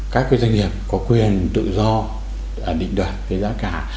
các cái doanh nghiệp có quyền tự do định đoạt cái giá cả